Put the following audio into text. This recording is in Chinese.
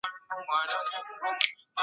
孙氏家庙的历史年代为清代。